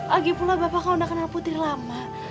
lagipula bapak kan udah kenal putri lama